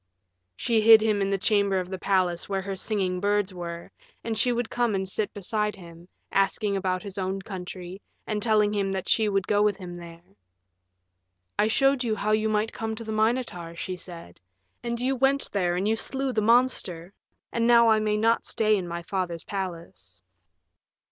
She hid him in the chamber of the palace where her singing birds were, and she would come and sit beside him, asking about his own country and telling him that she would go with him there. "I showed you how you might come to the Minotaur," she said, "and you went there and you slew the monster, and now I may not stay in my father's palace."